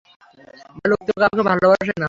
ভালুক তো কাউকে ভালোবাসে না।